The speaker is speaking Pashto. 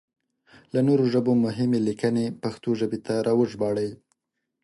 له نورو ژبو مهمې ليکنې پښتو ژبې ته راوژباړئ!